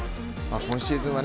今シーズンはね